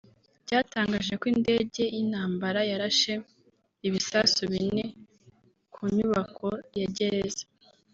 byatangaje ko indege y’intambara yarashe ibisasu bine ku nyubako ya gereza